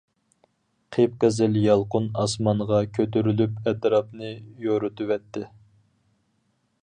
قىپقىزىل يالقۇن ئاسمانغا كۆتۈرۈلۈپ ئەتراپنى يورۇتۇۋەتتى.